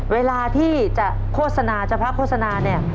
เวลาที่จะโฆษณาจะพระโฆษณาเนี่ย